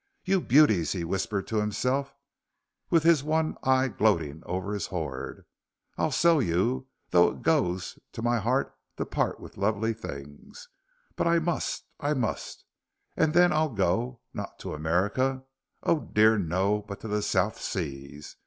"You beauties," he whispered to himself, with his one eye gloating over his hoard. "I'll sell you, though it goes to my heart to part with lovely things. But I must I must and then I'll go not to America oh, dear no! but to the South Seas.